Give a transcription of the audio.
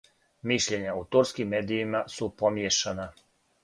Мишљења у турским медијима су помијешана.